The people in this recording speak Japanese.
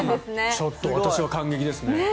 ちょっと私は感激ですね。